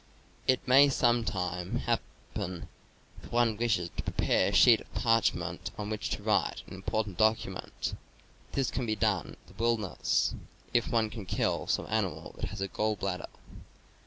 It may sometime happen that one wishes to prepare a sheet of parchment on which to write an important p , document; this can be done in the wil derness, if one can kill some animal that has a gall bladder.